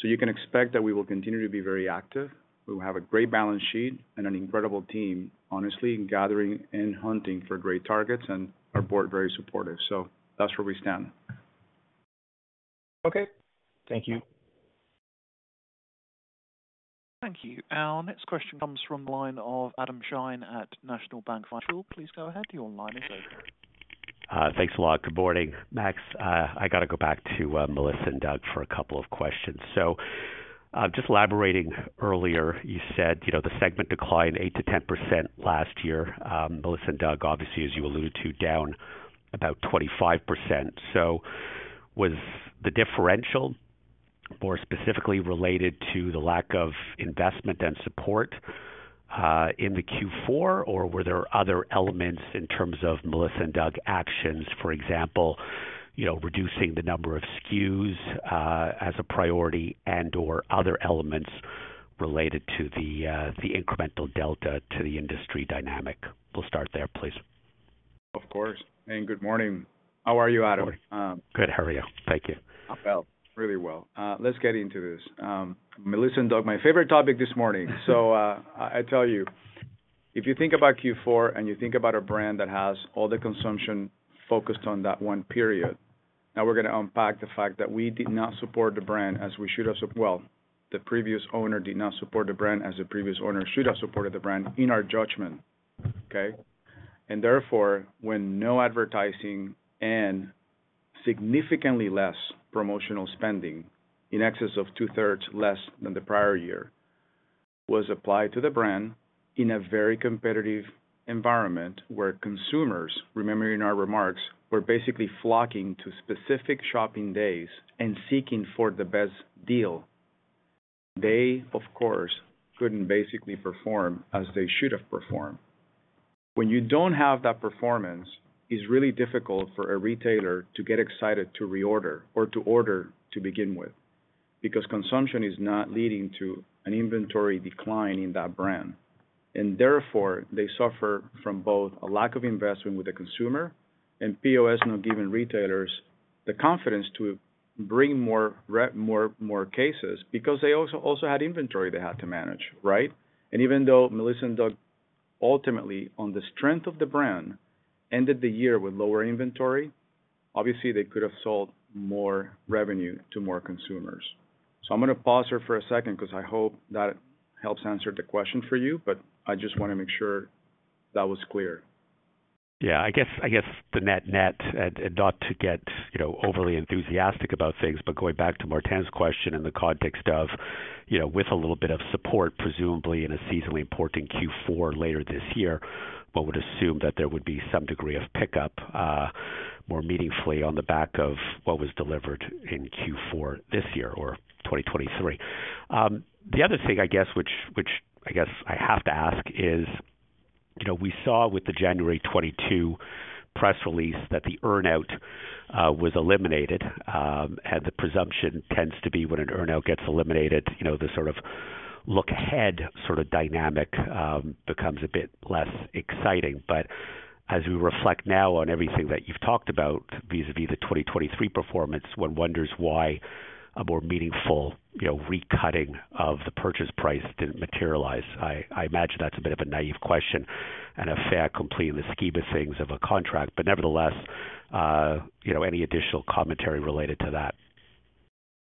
So you can expect that we will continue to be very active. We will have a great balance sheet and an incredible team, honestly, in gathering and hunting for great targets, and our board, very supportive. So that's where we stand. Okay. Thank you. Thank you. Our next question comes from the line of Adam Shine at National Bank Financial. Please go ahead. Your line is open. Thanks a lot. Good morning. Max, I got to go back to Melissa & Doug for a couple of questions. Just elaborating, earlier, you said, you know, the segment declined 8%-10% last year. Melissa & Doug, obviously, as you alluded to, down about 25%. Was the differential more specifically related to the lack of investment and support in Q4, or were there other elements in terms of Melissa & Doug actions, for example, you know, reducing the number of SKUs as a priority and/or other elements related to the incremental delta to the industry dynamic? We'll start there, please. Of course. Good morning. How are you, Adam? Good. How are you? Thank you. I'm well, really well. Let's get into this. Melissa & Doug, my favorite topic this morning. So, I tell you, if you think about Q4 and you think about a brand that has all the consumption focused on that one period, now we're gonna unpack the fact that we did not support the brand as we should have, well, the previous owner did not support the brand, as the previous owner should have supported the brand in our judgment, okay? And therefore, when no advertising and significantly less promotional spending, in excess of 2/3 less than the prior year, was applied to the brand in a very competitive environment where consumers, remember in our remarks, were basically flocking to specific shopping days and seeking for the best deal. They, of course, couldn't basically perform as they should have performed. When you don't have that performance, it's really difficult for a retailer to get excited to reorder or to order to begin with, because consumption is not leading to an inventory decline in that brand. And therefore, they suffer from both a lack of investment with the consumer and POS not giving retailers the confidence to bring more cases because they also had inventory they had to manage, right? And even though Melissa & Doug, ultimately, on the strength of the brand, ended the year with lower inventory, obviously they could have sold more revenue to more consumers. So I'm gonna pause here for a second because I hope that helps answer the question for you, but I just wanna make sure that was clear. Yeah, I guess, I guess the net-net, and, and not to get, you know, overly enthusiastic about things, but going back to Martin's question in the context of, you know, with a little bit of support, presumably in a seasonally important Q4 later this year, one would assume that there would be some degree of pickup, more meaningfully on the back of what was delivered in Q4 this year or 2023. The other thing, I guess, which, which I guess I have to ask is, you know, we saw with the January 2022 press release that the earn-out was eliminated. And the presumption tends to be when an earn-out gets eliminated, you know, the sort of look ahead, sort of dynamic becomes a bit less exciting. As we reflect now on everything that you've talked about, vis-à-vis the 2023 performance, one wonders why a more meaningful, you know, recutting of the purchase price didn't materialize. I imagine that's a bit of a naive question and a fair comment in the scheme of things of a contract, but nevertheless, you know, any additional commentary related to that?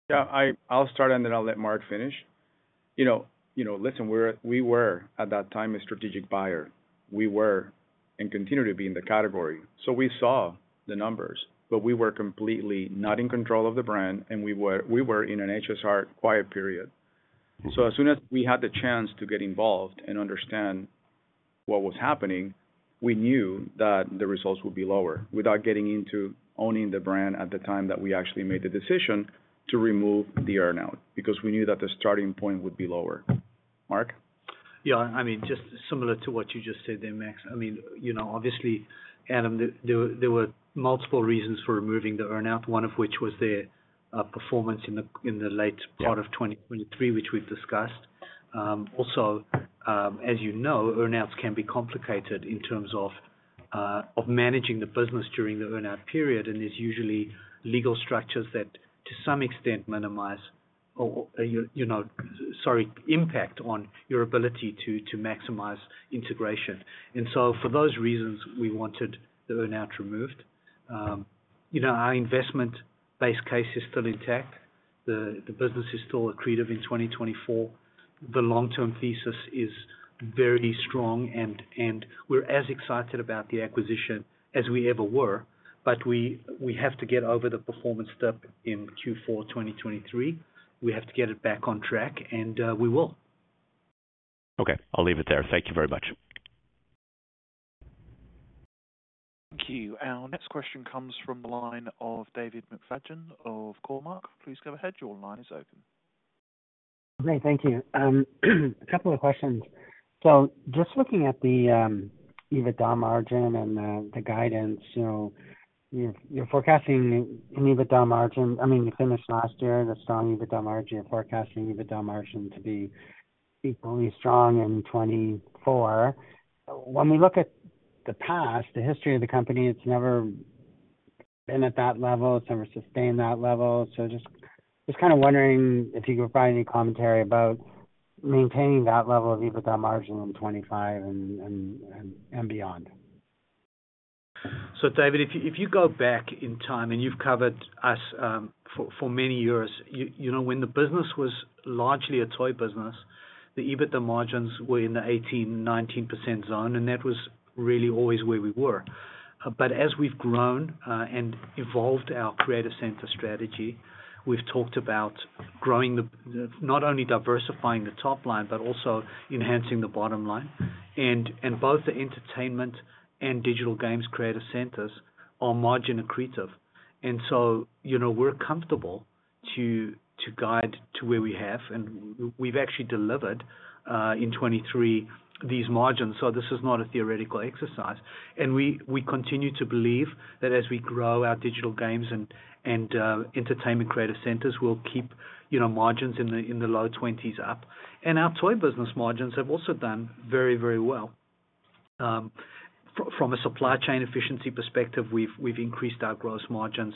Yeah, I'll start, and then I'll let Mark finish. You know, listen, we're - we were at that time a strategic buyer. We were and continue to be in the category. So we saw the numbers, but we were completely not in control of the brand, and we were in an HSR quiet period. So as soon as we had the chance to get involved and understand what was happening, we knew that the results would be lower. Without getting into owning the brand at the time, that we actually made the decision to remove the earn-out, because we knew that the starting point would be lower. Mark? Yeah, I mean, just similar to what you just said there, Max. I mean, you know, obviously, Adam, there were multiple reasons for removing the earn-out, one of which was their performance in the late part of 2023, which we've discussed. Also, as you know, earn-outs can be complicated in terms of managing the business during the earn-out period, and there's usually legal structures that to some extent minimize or, you know, sorry, impact on your ability to maximize integration. And so for those reasons, we wanted the earn-out removed. You know, our investment base case is still intact. The business is still accretive in 2024. The long-term thesis is very strong and we're as excited about the acquisition as we ever were, but we have to get over the performance step in Q4 2023. We have to get it back on track, and we will. Okay, I'll leave it there. Thank you very much. Thank you. Our next question comes from the line of David McFadgen of Cormark. Please go ahead. Your line is open. Great, thank you. A couple of questions. So just looking at the EBITDA margin and the guidance, so you're forecasting an EBITDA margin. I mean, you finished last year in a strong EBITDA margin. You're forecasting EBITDA margin to be equally strong in 2024. When we look at the past, the history of the company, it's never been at that level. It's never sustained that level. So just kind of wondering if you could provide any commentary about maintaining that level of EBITDA margin in 2025 and beyond. So, David, if you go back in time and you've covered us for many years, you know, when the business was largely a toy business, the EBITDA margins were in the 18%-19% zone, and that was really always where we were. But as we've grown and evolved our creative center strategy, we've talked about growing the... Not only diversifying the top line, but also enhancing the bottom line. And both the Entertainment and Digital Games creative centers are margin accretive. And so, you know, we're comfortable to guide to where we have, and we've actually delivered in 2023 these margins. So this is not a theoretical exercise. And we continue to believe that as we grow our Digital Games and Entertainment creative centers will keep, you know, margins in the low 20s up. Our Toy business margins have also done very, very well. From a supply chain efficiency perspective, we've increased our gross margins.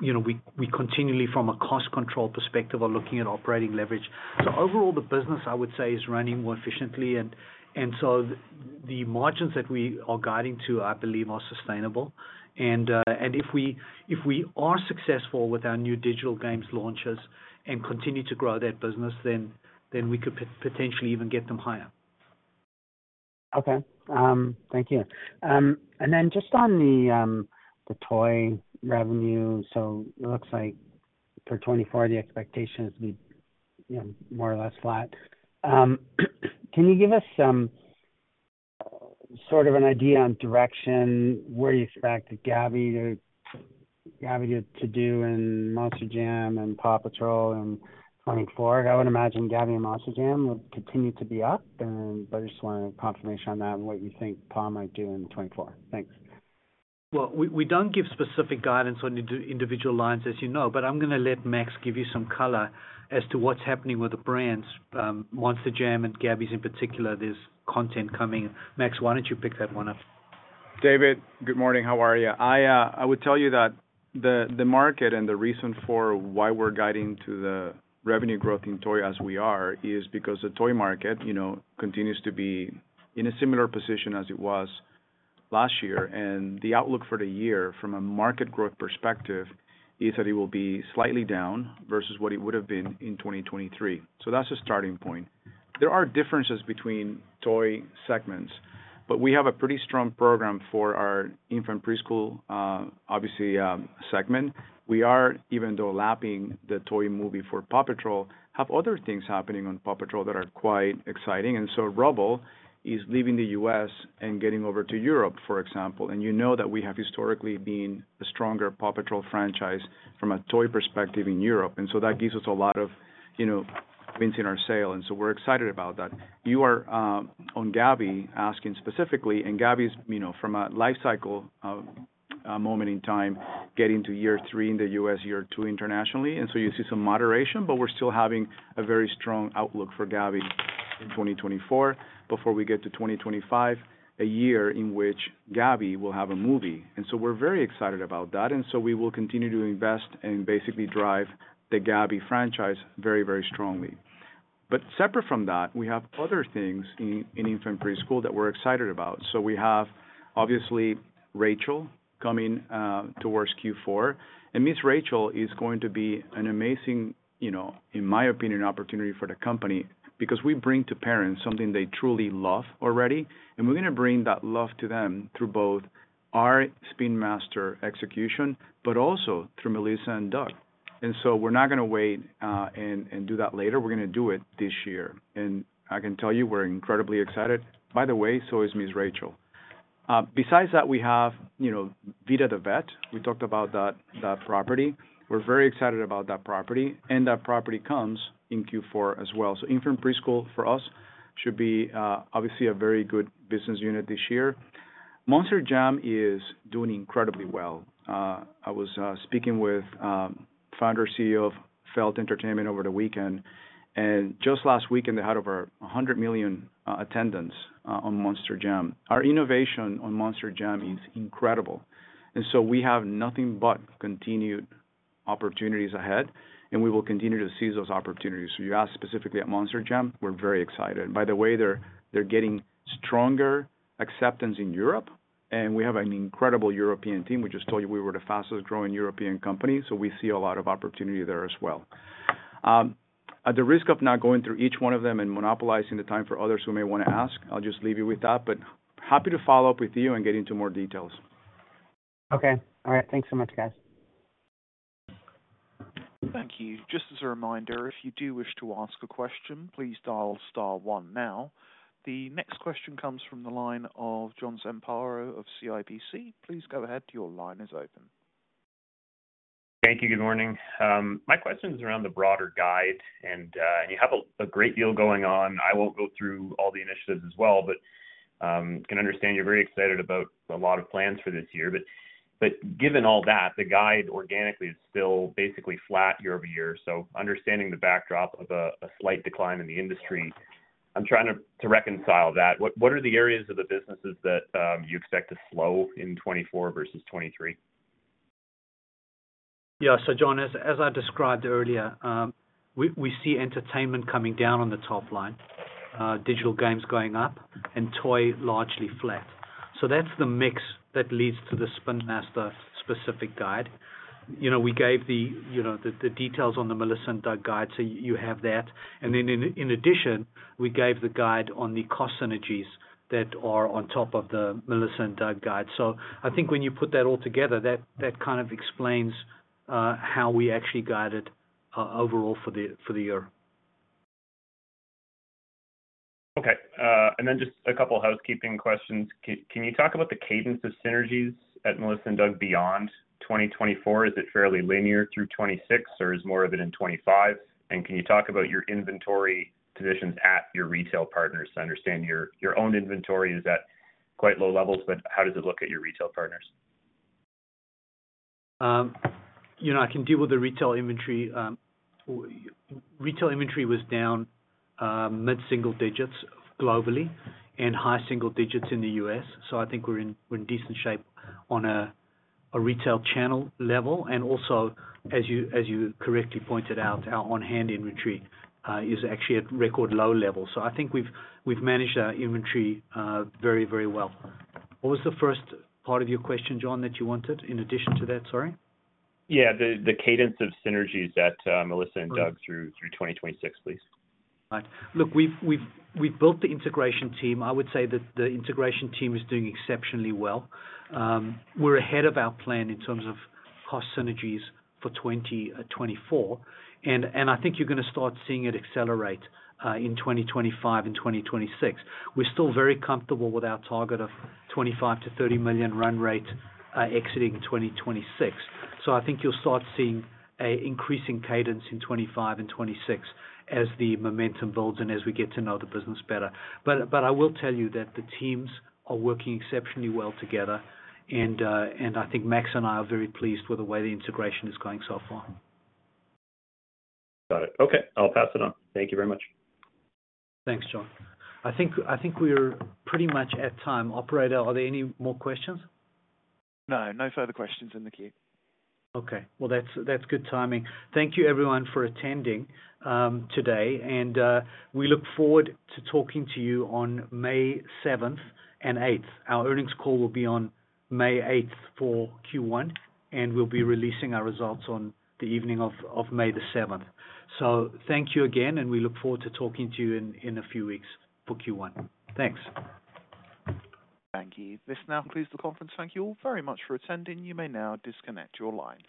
You know, we continually, from a cost control perspective, are looking at operating leverage. So overall, the business, I would say, is running more efficiently. And so the margins that we are guiding to, I believe, are sustainable. And if we are successful with our new Digital Games launches and continue to grow that business, then we could potentially even get them higher. Okay, thank you. And then just on the toy revenue. So it looks like for 2024, the expectation is be, you know, more or less flat. Can you give us some sort of an idea on direction, where you expect Gabby, Gabby to do and Monster Jam and PAW Patrol in 2024? I would imagine Gabby and Monster Jam will continue to be up, and but I just wanted confirmation on that and what you think PAW might do in 2024. Thanks. Well, we don't give specific guidance on individual lines, as you know, but I'm gonna let Max give you some color as to what's happening with the brands. Monster Jam and Gabby's in particular, there's content coming. Max, why don't you pick that one up? David, good morning. How are you? I would tell you that the market and the reason for why we're guiding to the revenue growth in Toy as we are, is because the toy market, you know, continues to be in a similar position as it was last year. And the outlook for the year from a market growth perspective, is that it will be slightly down versus what it would have been in 2023. So that's a starting point. There are differences between toy segments, but we have a pretty strong program for our infant preschool, obviously, segment. We are, even though lapping the toy movie for PAW Patrol, have other things happening on PAW Patrol that are quite exciting. And so Rubble is leaving the U.S. and getting over to Europe, for example. And you know that we have historically been the stronger PAW Patrol franchise from a toy perspective in Europe, and so that gives us a lot of, you know, wind in our sail, and so we're excited about that. You are on Gabby, asking specifically, and Gabby's, you know, from a life cycle, a moment in time, getting to year three in the U.S., year two internationally, and so you see some moderation, but we're still having a very strong outlook for Gabby in 2024, before we get to 2025, a year in which Gabby will have a movie. And so we're very excited about that, and so we will continue to invest and basically drive the Gabby franchise very, very strongly. But separate from that, we have other things in infant preschool that we're excited about. So we have, obviously, Rachel coming towards Q4. And Ms. Rachel is going to be an amazing, you know, in my opinion, opportunity for the company, because we bring to parents something they truly love already. And we're gonna bring that love to them through both our Spin Master execution, but also through Melissa & Doug. And so we're not gonna wait, and do that later, we're gonna do it this year. And I can tell you, we're incredibly excited. By the way, so is Ms. Rachel. Besides that, we have, you know, Vida the Vet. We talked about that, that property. We're very excited about that property, and that property comes in Q4 as well. So infant preschool, for us, should be, obviously a very good business unit this year. Monster Jam is doing incredibly well. I was speaking with founder, CEO of Feld Entertainment over the weekend, and just last weekend, they had over 100 million attendance on Monster Jam. Our innovation on Monster Jam is incredible, and so we have nothing but continued opportunities ahead, and we will continue to seize those opportunities. So you asked specifically at Monster Jam, we're very excited. By the way, they're getting stronger acceptance in Europe, and we have an incredible European team. We just told you we were the fastest growing European company, so we see a lot of opportunity there as well. At the risk of not going through each one of them and monopolizing the time for others who may wanna ask, I'll just leave you with that, but happy to follow up with you and get into more details. Okay. All right, thanks so much, guys. Thank you. Just as a reminder, if you do wish to ask a question, please dial star one now. The next question comes from the line of John Zamparo of CIBC. Please go ahead, your line is open. Thank you. Good morning. My question is around the broader guide, and you have a great deal going on. I won't go through all the initiatives as well, but I can understand you're very excited about a lot of plans for this year. But given all that, the guide organically is still basically flat year over year. So understanding the backdrop of a slight decline in the industry, I'm trying to reconcile that. What are the areas of the businesses that you expect to slow in 2024 versus 2023? Yeah. So John, as I described earlier, we see Entertainment coming down on the top line, Digital Games going up, and Toy largely flat. So that's the mix that leads to the Spin Master specific guide. You know, we gave the details on the Melissa & Doug guide, so you have that. And then in addition, we gave the guide on the cost synergies that are on top of the Melissa & Doug guide. So I think when you put that all together, that kind of explains how we actually guided overall for the year. Okay. And then just a couple housekeeping questions. Can you talk about the cadence of synergies at Melissa & Doug beyond 2024? Is it fairly linear through 2026, or is more of it in 2025? And can you talk about your inventory positions at your retail partners? I understand your own inventory is at quite low levels, but how does it look at your retail partners? You know, I can deal with the retail inventory. Retail inventory was down mid-single digits globally, and high single digits in the U.S. So I think we're in, we're in decent shape on a, a retail channel level. And also, as you, as you correctly pointed out, our on-hand inventory is actually at record low levels. So I think we've, we've managed our inventory very, very well. What was the first part of your question, John, that you wanted in addition to that? Sorry. Yeah, the cadence of synergies at Melissa & Doug- Right. - through 2026, please. Right. Look, we've built the integration team. I would say that the integration team is doing exceptionally well. We're ahead of our plan in terms of cost synergies for 2024, and I think you're gonna start seeing it accelerate in 2025 and 2026. We're still very comfortable with our target of $25 million-$30 million run rate exiting 2026. So I think you'll start seeing an increasing cadence in 2025 and 2026, as the momentum builds and as we get to know the business better. But I will tell you that the teams are working exceptionally well together, and I think Max and I are very pleased with the way the integration is going so far. Got it. Okay, I'll pass it on. Thank you very much. Thanks, John. I think, I think we're pretty much at time. Operator, are there any more questions? No, no further questions in the queue. Okay. Well, that's good timing. Thank you, everyone, for attending today, and we look forward to talking to you on May 7th and 8th. Our earnings call will be on May 8th for Q1, and we'll be releasing our results on the evening of May the 7th. So thank you again, and we look forward to talking to you in a few weeks for Q1. Thanks. Thank you. This now concludes the conference. Thank you all very much for attending. You may now disconnect your lines.